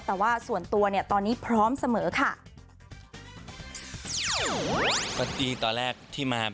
แต่ว่าส่วนตัวเนี่ยตอนนี้พร้อมเสมอค่ะ